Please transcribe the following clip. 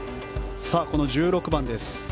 この１６番です。